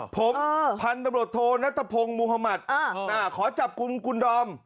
ผมพันธุ์ตำรวจโทรณมุธมัธอ่าขอจับคุณคุณดอม